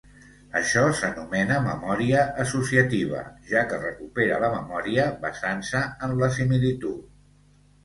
Això s'anomena memòria associativa, ja que recupera la memòria basant-se en la similitud.